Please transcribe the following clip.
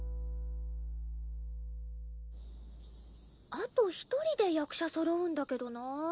あと一人で役者そろうんだけどなぁ。